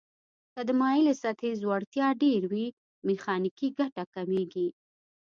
که د مایلې سطحې ځوړتیا ډیر وي میخانیکي ګټه کمیږي.